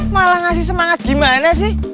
malah ngasih semangat gimana sih